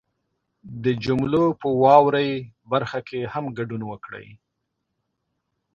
د جملو په واورئ برخه کې هم ګډون وکړئ